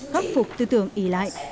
khắc phục tư tưởng ý lại